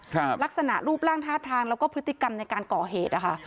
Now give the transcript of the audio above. ครับลักษณะรูปร่างท่าทางแล้วก็พฤติกรรมในการก่อเหตุนะคะ